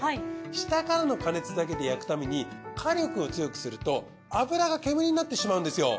下からの加熱だけで焼くために火力を強くすると油が煙になってしまうんですよ。